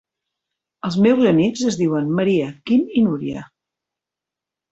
Els meus amics es diuen Maria, Quim i Núria.